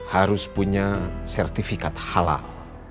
harus punya sertifikat halal